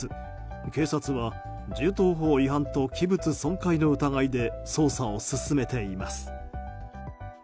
警察は、銃刀法違反と器物損壊の疑いで捜査を進めています。